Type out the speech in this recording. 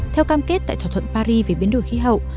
theo cam kết tại thỏa thuận paris về biến đổi khí hậu